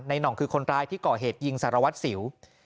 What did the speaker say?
หน่องคือคนร้ายที่ก่อเหตุยิงสารวัตรสิว